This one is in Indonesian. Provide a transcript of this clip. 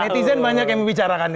netizen banyak yang membicarakan